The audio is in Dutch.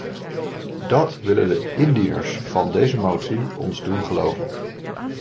Dat willen de indieners van deze motie ons doen geloven.